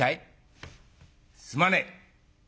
「すまねえ。